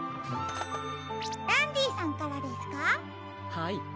はい。